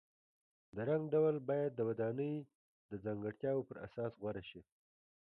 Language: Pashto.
د رنګ ډول باید د ودانۍ د ځانګړتیاو پر اساس غوره شي.